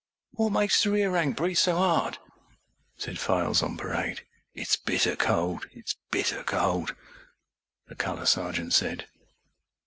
âWhat makes the rear rank breathe so 'ard?â said Files on Parade. âIt's bitter cold, it's bitter coldâ, the Colour Sergeant said.